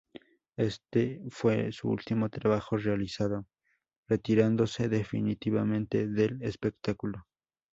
Éste fue su último trabajo realizado, retirándose definitivamente del espectáculo.